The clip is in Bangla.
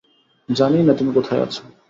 জানিই না তুমি কোথায় আছো।